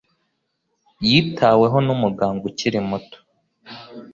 Yitaweho na muganga ukiri muto.